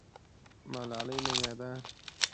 ملالۍ نومېده.